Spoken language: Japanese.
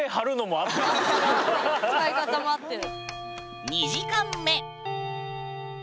使い方も合ってる。